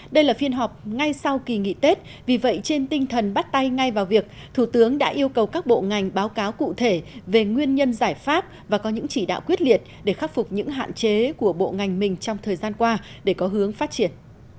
đây là phiên họp ngay sau kỳ nghỉ tết vì vậy trên tinh thần bắt tay ngay vào việc thủ tướng đã yêu cầu các bộ ngành báo cáo cụ thể về nguyên nhân giải pháp và có những chỉ đạo quyết liệt để khắc phục những hạn chế của bộ ngành mình trong thời gian qua để có hướng phát triển